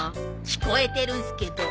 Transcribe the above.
聞こえてるんすけど。